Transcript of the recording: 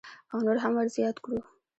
او نور هم ورزیات کړو.